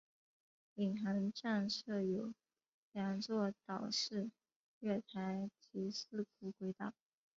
领航站设有两座岛式月台及四股轨道。